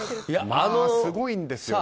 すごいんですよ。